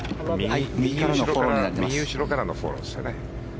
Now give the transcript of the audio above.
右後ろからのフォローですよね。